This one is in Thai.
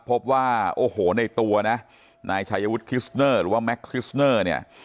พบว่าโอ้โหในตัวนะนายชายวุฒิคิสเนอร์หรือว่าแม็กคริสเนอร์เนี่ย